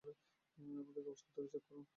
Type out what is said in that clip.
আমাদের কাগজপত্রগুলো চেক করুন!